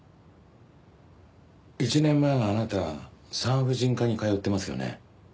１年前あなた産婦人科に通ってますよね。